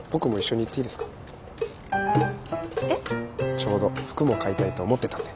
ちょうど服も買いたいと思ってたんで。